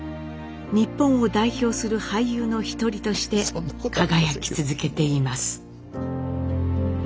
日本を代表する俳優の一人として輝き続けています。